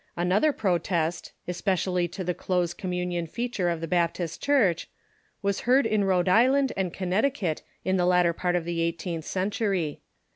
An other protest — especially to the close communion feature of the Baptist Church — was heard in Rhode Island and Connecticut in the latter part of the eighteenth centuiy.